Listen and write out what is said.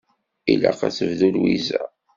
Ilaq ad tebdu Lwiza.